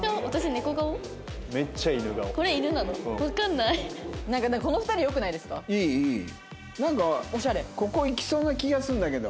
なんかここいきそうな気がするんだけど。